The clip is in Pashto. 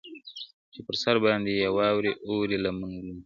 چي پر سر باندي یې واوري اوروي لمن ګلونه،